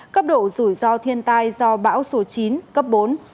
cấp độ rủi ro thiên tai do bão số chín cấp bốn